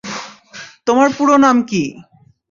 তোমার পুরো নাম কি?